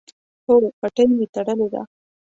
هو، پټۍ می تړلې ده